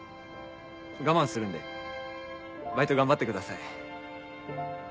我慢するんでバイト頑張ってください。